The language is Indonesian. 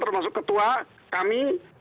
termasuk ketua kami